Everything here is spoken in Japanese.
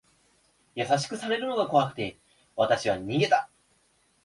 優しくされるのが怖くて、わたしは逃げた。